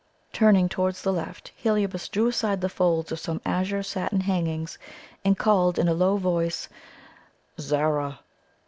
Turning towards the left, Heliobas drew aside the folds of some azure satin hangings, and calling in a low voice "Zara!"